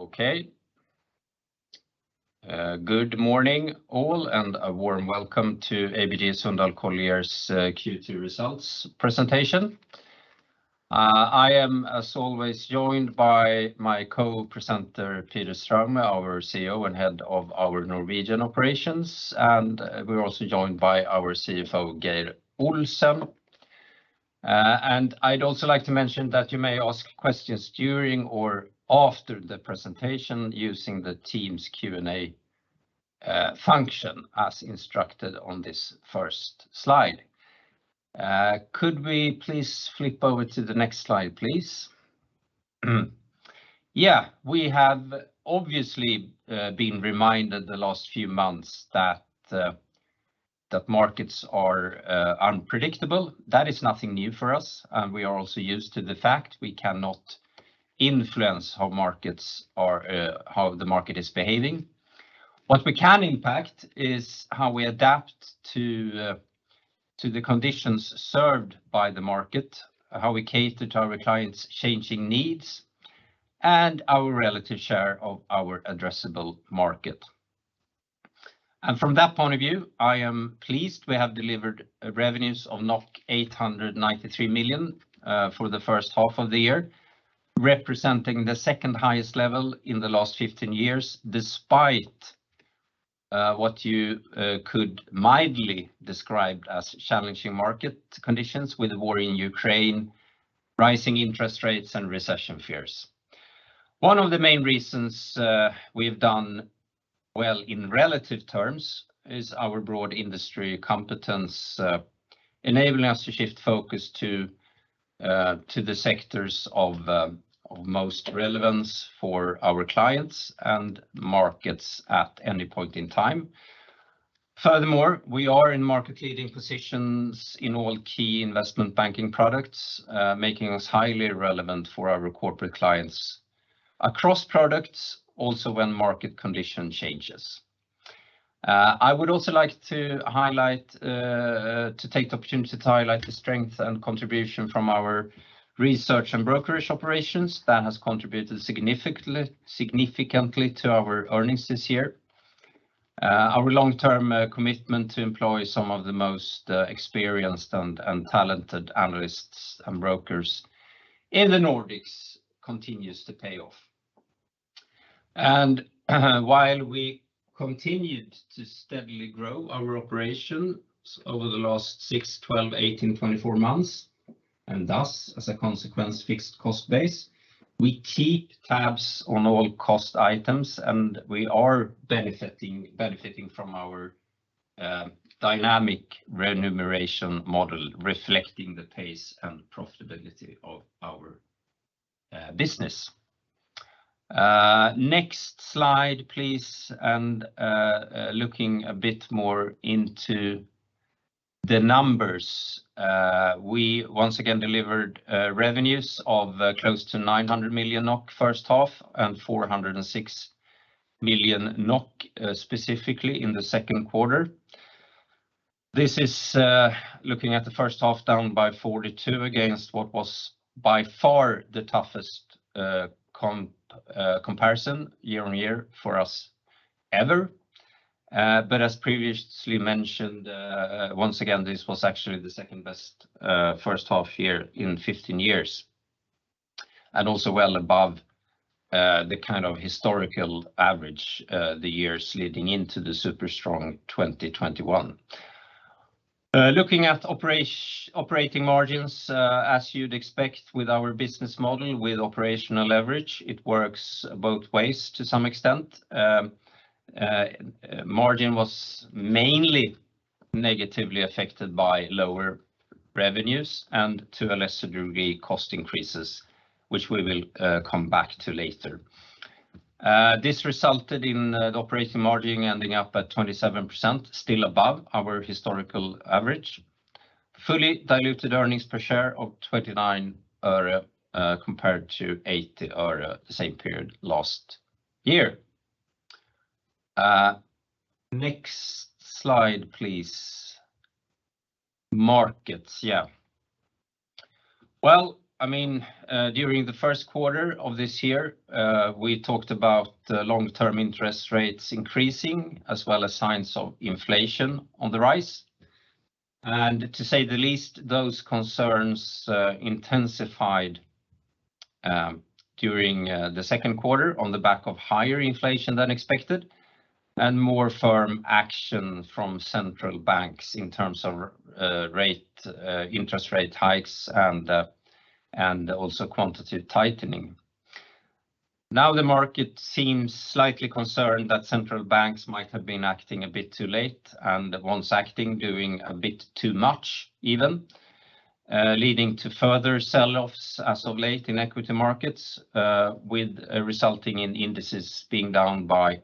Okay. Good morning, all, and a warm welcome to ABG Sundal Collier's Q2 results presentation. I am, as always, joined by my co-presenter, Peter Straume, our Chief Executive Officer and Head of our Norwegian Operations, and we're also joined by our Chief Financial Officer, Geir B. Olsen. I'd also like to mention that you may ask questions during or after the presentation using the team's Q&A function as instructed on this first slide. Could we please flip over to the next slide, please? Yeah, we have obviously been reminded the last few months that markets are unpredictable. That is nothing new for us, and we are also used to the fact we cannot influence how the market is behaving. What we can impact is how we adapt to the conditions served by the market, how we cater to our clients' changing needs, and our relative share of our addressable market. From that point of view, I am pleased we have delivered revenues of 893 million for the first half of the year, representing the second highest level in the last 15 years, despite what you could mildly describe as challenging market conditions with the war in Ukraine, rising interest rates, and recession fears. One of the main reasons we've done well in relative terms is our broad industry competence, enabling us to shift focus to the sectors of most relevance for our clients and markets at any point in time. Furthermore, we are in market leading positions in all key investment banking products, making us highly relevant for our corporate clients across products, also when market condition changes. I would also like to take the opportunity to highlight the strength and contribution from our research and brokerage operations. That has contributed significantly to our earnings this year. Our long-term commitment to employ some of the most experienced and talented analysts and brokers in the Nordics continues to pay off. While we continued to steadily grow our operations over the last six, 12, 18, 24 months, and thus, as a consequence, fixed cost base, we keep tabs on all cost items, and we are benefiting from our dynamic remuneration model reflecting the pace and profitability of our business. Next slide, please, looking a bit more into the numbers. We once again delivered revenues of close to 900 million NOK first half and 406 million NOK specifically in the second quarter. This is looking at the first half down by 42% against what was by far the toughest comparison year on year for us ever. As previously mentioned, once again, this was actually the second best first half year in 15 years, and also well above the kind of historical average the years leading into the super strong 2021. Looking at operating margins, as you'd expect with our business model with operational leverage, it works both ways to some extent. Margin was mainly negatively affected by lower revenues and to a lesser degree cost increases, which we will come back to later. This resulted in the operating margin ending up at 27%, still above our historical average. Fully diluted earnings per share of 29 øre compared to 80 øre the same period last year. Next slide please. Markets. Well, I mean, during the first quarter of this year, we talked about the long-term interest rates increasing as well as signs of inflation on the rise. To say the least, those concerns intensified during the second quarter on the back of higher inflation than expected and more firm action from central banks in terms of interest rate hikes and also quantitative tightening. Now the market seems slightly concerned that central banks might have been acting a bit too late and, once acting, doing a bit too much even leading to further sell-offs as of late in equity markets, with resulting in indices being down by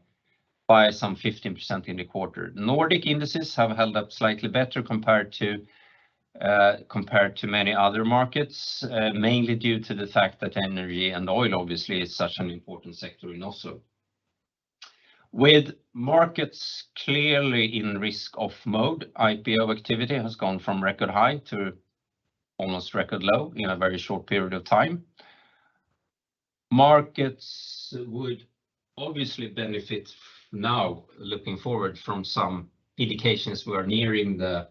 some 15% in the quarter. Nordic indices have held up slightly better compared to many other markets, mainly due to the fact that energy and oil obviously is such an important sector in Oslo. With markets clearly in risk-off mode, IPO activity has gone from record high to almost record low in a very short period of time. Markets would obviously benefit now looking forward from some indications we are nearing the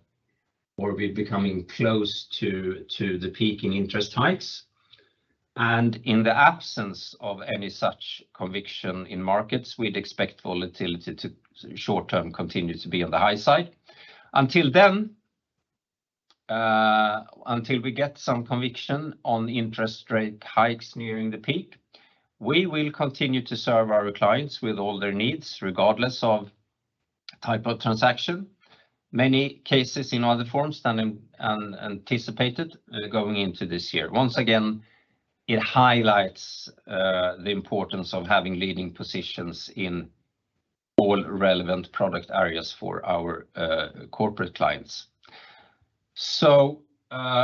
peak in interest hikes. In the absence of any such conviction in markets, we'd expect volatility to short-term continue to be on the high side. Until then, until we get some conviction on interest rate hikes nearing the peak, we will continue to serve our clients with all their needs, regardless of type of transaction. Many cases in other forms than anticipated going into this year. Once again, it highlights the importance of having leading positions in all relevant product areas for our corporate clients.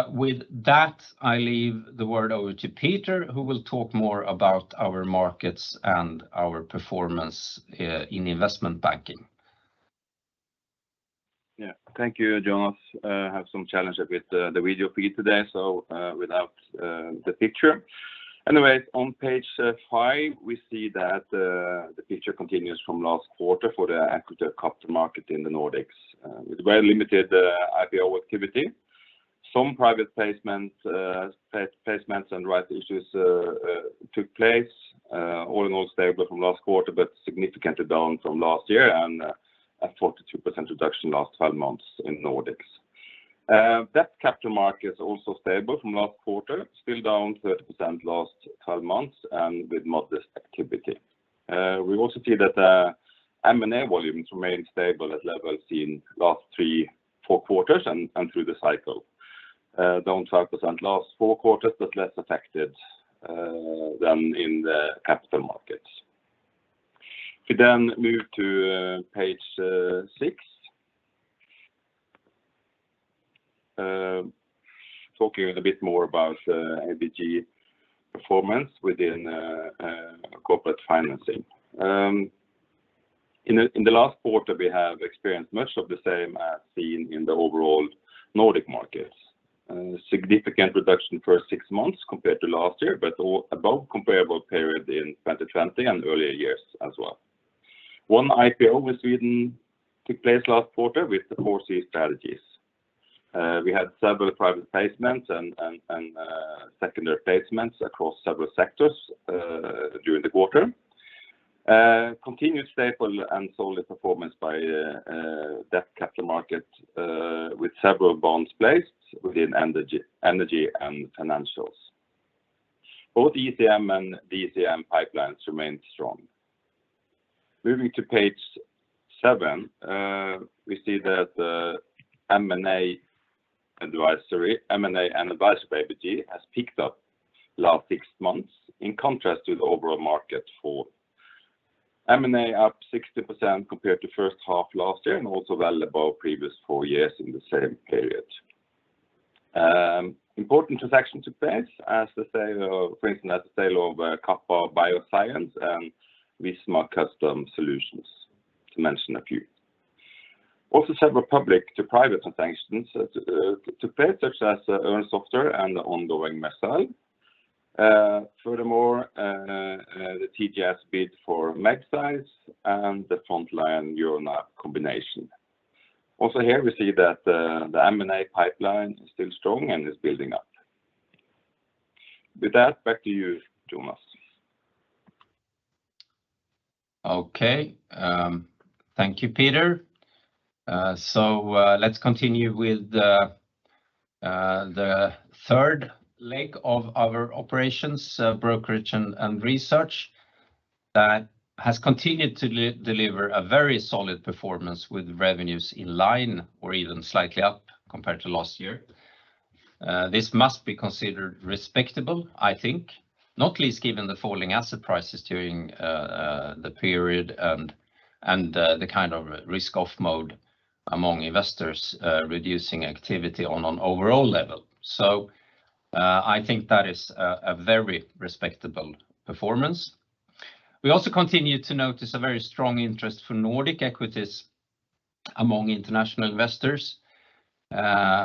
With that, I leave the word over to Peter, who will talk more about our markets and our performance in investment banking. Yeah Thank you Jonas. Have some challenge with the video feed today, so without the picture. Anyway, on page five we see that the picture continues from last quarter for the equity capital market in the Nordics with very limited IPO activity. Some private placements and right issues took place. All in all stable from last quarter but significantly down from last year and a 42% reduction last 12 months in Nordics. Debt capital markets also stable from last quarter, still down 30% last 12 months and with modest activity. We also see that M&A volumes remain stable at levels seen last three, four quarters and through the cycle. Down 5% last four quarters, but less affected than in the capital markets. We move to page six. Talking a bit more about ABG performance within corporate financing. In the last quarter we have experienced much of the same as seen in the overall Nordic markets. Significant reduction first six months compared to last year, but above comparable period in 2020 and earlier years as well. One IPO in Sweden took place last quarter with 4C Strategies. We had several private placements and secondary placements across several sectors during the quarter. Continued stable and solid performance by debt capital market with several bonds placed within energy and financials. Both ECM and DCM pipelines remained strong. Moving to page seven, we see that, M&A advisory, M&A and advisory ABG has picked up last six months in contrast to the overall market fall. M&A up 60% compared to first half last year and also well above previous four years in the same period. Important transaction took place as the sale of, for instance, Kappa Bioscience and Visma Custom Solutions, to mention a few. Also several public to private transactions took place such as Ørn Software and the ongoing Mercell. Furthermore, the TGS bid for Magseis and the Frontline/Euronav combination. Also here we see that, the M&A pipeline is still strong and is building up. With that back to you, Jonas. Okay Thank you, Peter. Let's continue with the third leg of our operations, brokerage and research that has continued to deliver a very solid performance with revenues in line or even slightly up compared to last year. This must be considered respectable, I think. Not least given the falling asset prices during the period and the kind of risk-off mode among investors, reducing activity on an overall level. I think that is a very respectable performance. We also continue to notice a very strong interest for Nordic equities among international investors,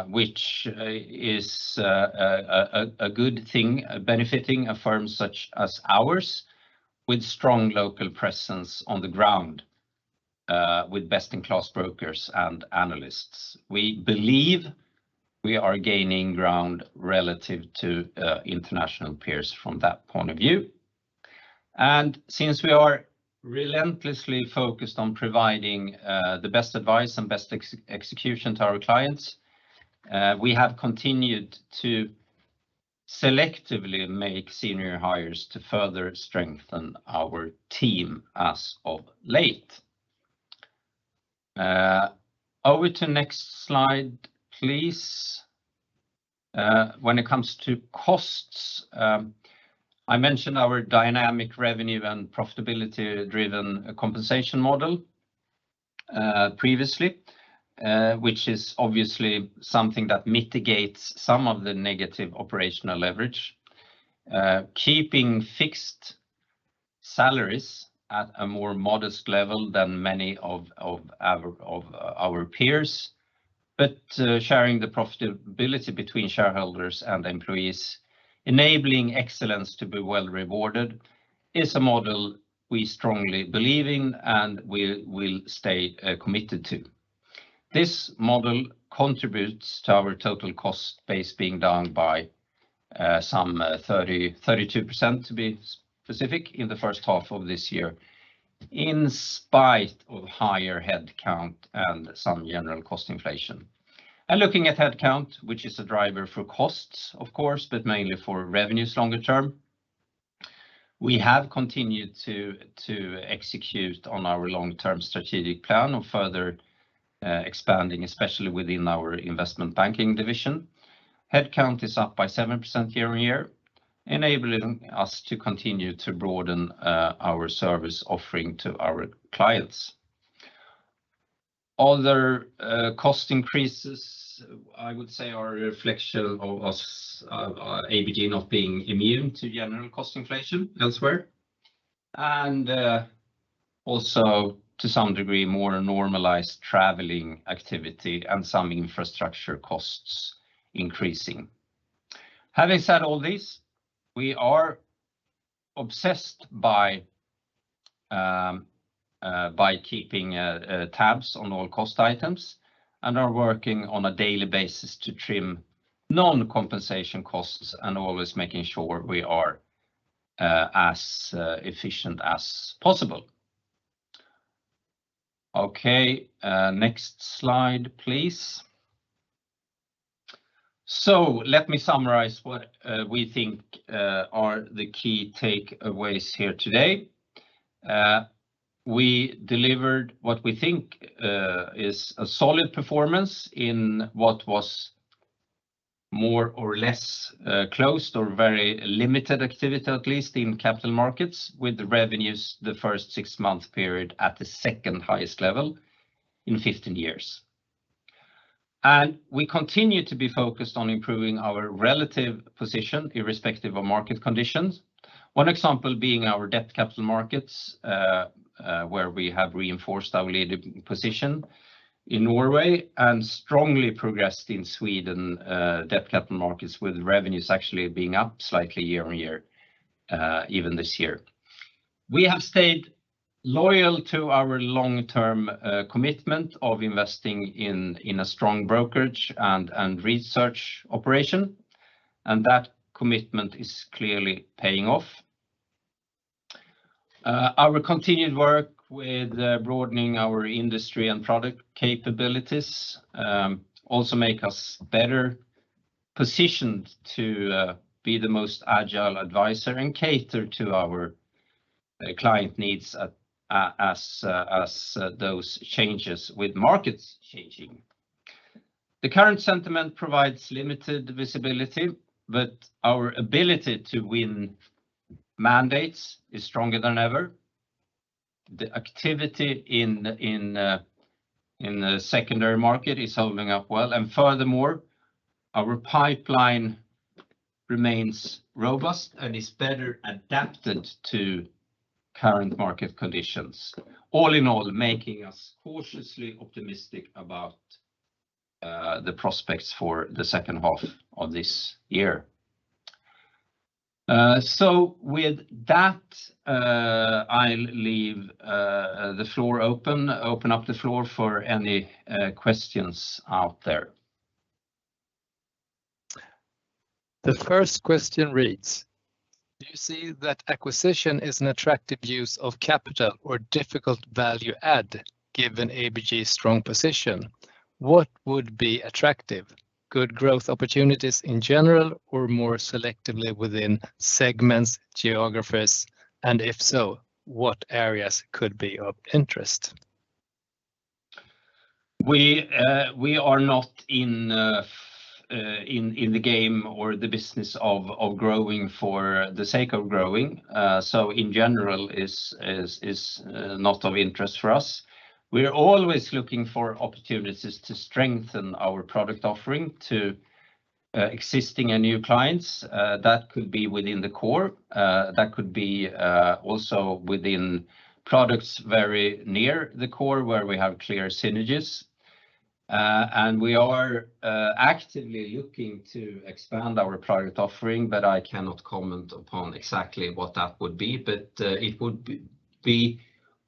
which is a good thing benefiting a firm such as ours with strong local presence on the ground, with best-in-class brokers and analysts. We believe we are gaining ground relative to international peers from that point of view. Since we are relentlessly focused on providing the best advice and best execution to our clients, we have continued to selectively make senior hires to further strengthen our team as of late. Over to next slide, please. When it comes to costs, I mentioned our dynamic revenue and profitability driven compensation model previously, which is obviously something that mitigates some of the negative operational leverage. Keeping fixed salaries at a more modest level than many of our peers, but sharing the profitability between shareholders and employees, enabling excellence to be well rewarded is a model we strongly believe in and we will stay committed to. This model contributes to our total cost base being down by some 32% to be specific in the first half of this year, in spite of higher headcount and some general cost inflation. Looking at headcount, which is a driver for costs of course, but mainly for revenues longer term, we have continued to execute on our long-term strategic plan of further expanding, especially within our investment banking division. Headcount is up by 7% year-on-year, enabling us to continue to broaden our service offering to our clients. Other cost increases I would say are a reflection of ABG not being immune to general cost inflation elsewhere and also to some degree more normalized traveling activity and some infrastructure costs increasing. Having said all this we are obsessed by keeping tabs on all cost items and are working on a daily basis to trim non-compensation costs and always making sure we are as efficient as possible. Okay, next slide please. Let me summarize what we think are the key takeaways here today. We delivered what we think is a solid performance in what was more or less closed or very limited activity, at least in capital markets with the revenues the first six-month period at the second highest level in 15 years. We continue to be focused on improving our relative position irrespective of market conditions. One example being our debt capital markets, where we have reinforced our leading position in Norway and strongly progressed in Sweden, debt capital markets with revenues actually being up slightly year-over-year, even this year. We have stayed loyal to our long-term commitment of investing in a strong brokerage and research operation, and that commitment is clearly paying off. Our continued work with broadening our industry and product capabilities also make us better positioned to be the most agile advisor and cater to our client needs as those changes with markets changing. The current sentiment provides limited visibility, but our ability to win mandates is stronger than ever. The activity in the secondary market is holding up well. Furthermore, our pipeline remains robust and is better adapted to current market conditions. All in all, making us cautiously optimistic about the prospects for the second half of this year. With that I'll open up the floor for any questions out there. The first question reads, "Do you see that acquisition is an attractive use of capital or difficult value add given ABG's strong position? What would be attractive? Good growth opportunities in general or more selectively within segments, geographies, and if so, what areas could be of interest? We are not in the game or the business of growing for the sake of growing. In general is not of interest for us. We are always looking for opportunities to strengthen our product offering to existing and new clients. That could be within the core. That could be also within products very near the core where we have clear synergies. We are actively looking to expand our product offering, but I cannot comment upon exactly what that would be. It would be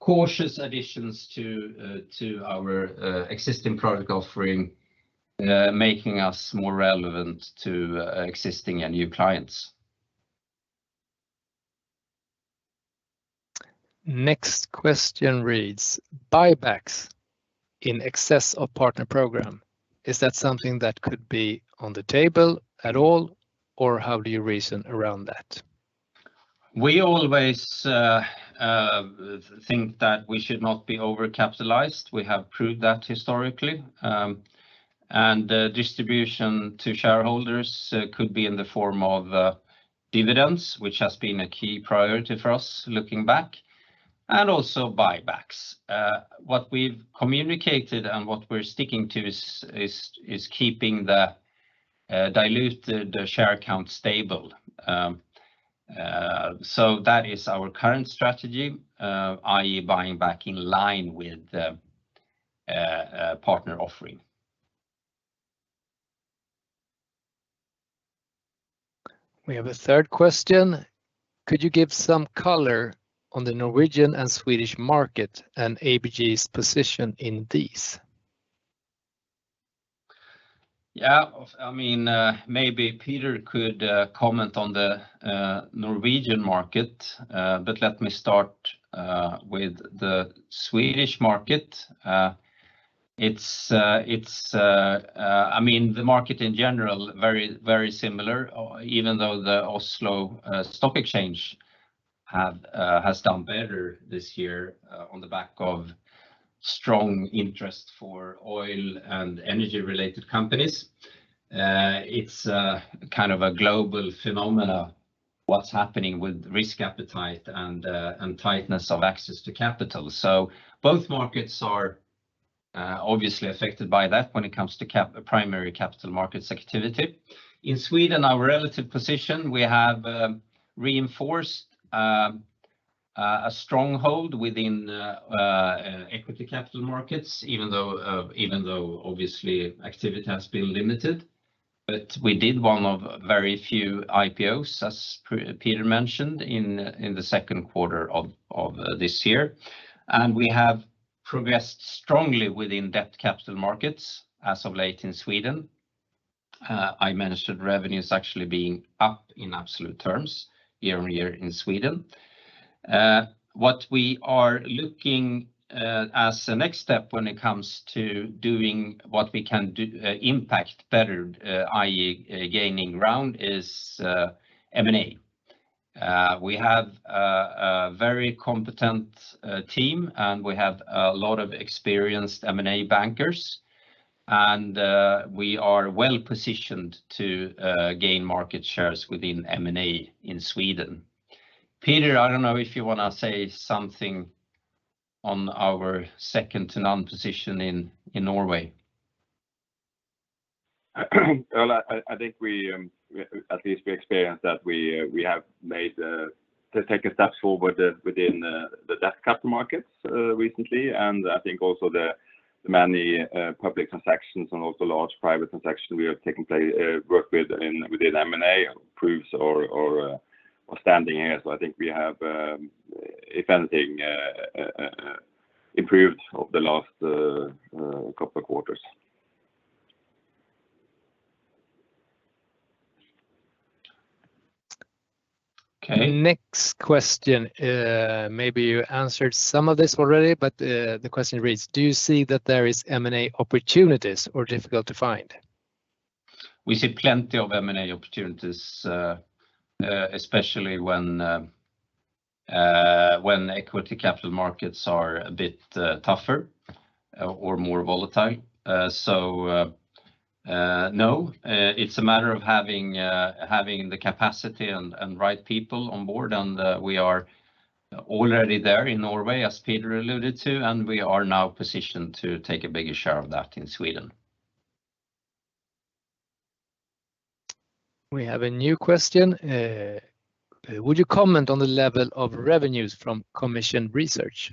cautious additions to our existing product offering, making us more relevant to existing and new clients. Next question reads, "Buybacks in excess of partner program. Is that something that could be on the table at all, or how do you reason around that? We always think that we should not be overcapitalized. We have proved that historically. The distribution to shareholders could be in the form of dividends, which has been a key priority for us looking back, and also buybacks. What we've communicated and what we're sticking to is keeping the diluted share count stable. That is our current strategy, i.e., buying back in line with the partner offering. We have a third question. Could you give some color on the Norwegian and Swedish market and ABG's position in these? Maybe Peter could comment on the Norwegian market, but let me start with the Swedish market. It's the market in general very, very similar, even though the Oslo Stock Exchange has done better this year on the back of strong interest for oil and energy related companies. It's kind of a global phenomenon what's happening with risk appetite and tightness of access to capital. Both markets are obviously affected by that when it comes to primary capital markets activity. In Sweden, our relative position, we have reinforced a stronghold within equity capital markets even though obviously activity has been limited. We did one of very few IPOs, as Peter mentioned, in the second quarter of this year. We have progressed strongly within that capital markets as of late in Sweden. I mentioned revenue's actually being up in absolute terms year-on-year in Sweden. What we are looking as a next step when it comes to doing what we can do impact better, i.e., gaining ground is M&A. We have a very competent team, and we have a lot of experienced M&A bankers. We are well positioned to gain market shares within M&A in Sweden. Peter, I don't know if you wanna say something on our second to none position in Norway. Well, I think we at least experienced that we have taken steps forward within the debt capital markets recently. I think also the many public transactions and also large private transactions we have taken part in, worked within M&A proves our standing here. I think we have if anything, improved over the last couple quarters. Okay. Next question. Maybe you answered some of this already, but the question reads, do you see that there is M&A opportunities or difficult to find? We see plenty of M&A opportunities especially when equity capital markets are a bit tougher or more volatile. No, it's a matter of having the capacity and right people on board. We are already there in Norway, as Peter Straume alluded to, and we are now positioned to take a bigger share of that in Sweden. We have a new question. Would you comment on the level of revenues from commission research?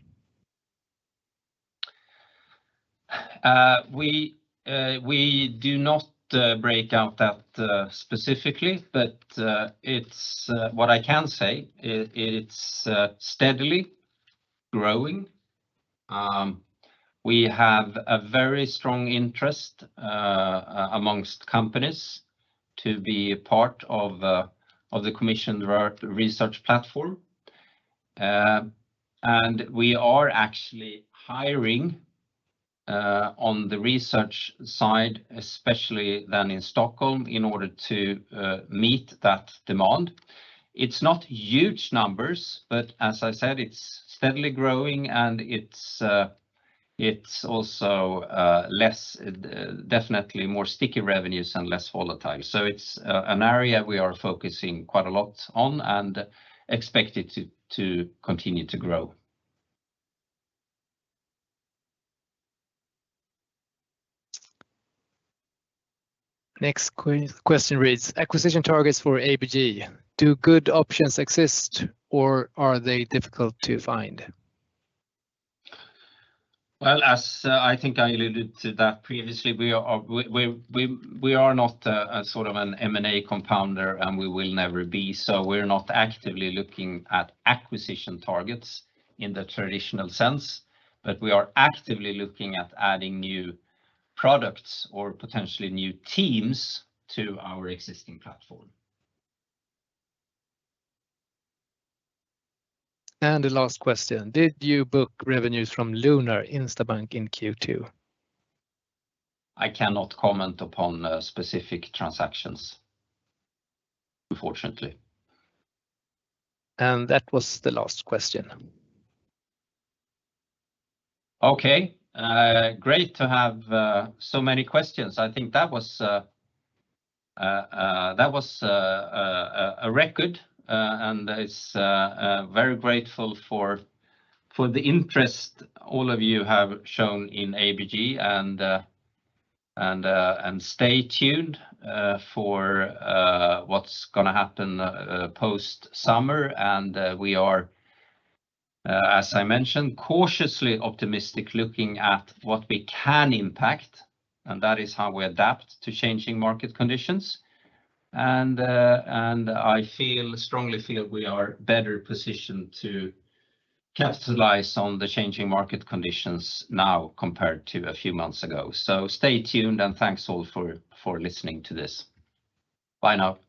We do not break out that specifically, but it's what I can say. It's steadily growing. We have a very strong interest amongst companies to be part of the commission research platform. We are actually hiring on the research side, especially then in Stockholm in order to meet that demand. It's not huge numbers, but as I said it's steadily growing and it's also definitely more sticky revenues and less volatile. It's an area we are focusing quite a lot on and expect it to continue to grow. Next question reads acquisition targets for ABG, do good options exist or are they difficult to find? Well, as I think I alluded to that previously, we are not a sort of an M&A compounder, and we will never be. We're not actively looking at acquisition targets in the traditional sense. We are actively looking at adding new products or potentially new teams to our existing platform. The last question, did you book revenues from Lunar Instabank in Q2? I cannot comment upon specific transactions unfortunately. That was the last question. Okay. Great to have so many questions. I think that was a record. I'm very grateful for the interest all of you have shown in ABG. Stay tuned for what's gonna happen post-summer. We are, as I mentioned, cautiously optimistic looking at what we can impact, and that is how we adapt to changing market conditions. I feel strongly we are better positioned to capitalize on the changing market conditions now compared to a few months ago. Stay tuned and thanks all for listening to this. bye now.